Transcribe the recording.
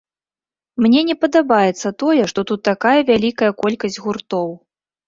Мне не падабаецца тое, што тут такая вялікая колькасць гуртоў.